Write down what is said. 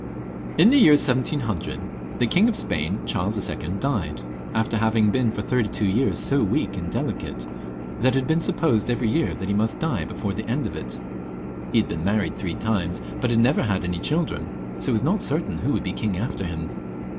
In the year 1700 the King of Spain, Charles II., died, XLV.] LOUIS XIV. 355 after having been for thirty two years so weak and delicate that it Had been supposed every year that he must die before the end of it. He had been married three times, but had never had any children, so that it was not certain who would be king after him.